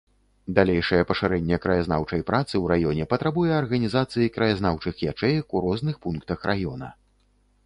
Далейшае пашырэнне краязнаўчай працы ў раёне патрабуе арганізацыі краязнаўчых ячэек у розных пунктах раёна.